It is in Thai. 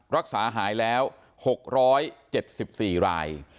รักษาหายแล้ว๖๗๔ราย